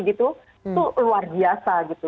itu luar biasa